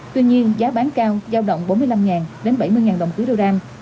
tuy nhiên giá bán cao giao động bốn mươi năm bảy mươi đồng tỷ đô ran